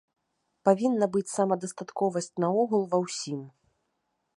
Павінна быць самадастатковасць наогул ва ўсім.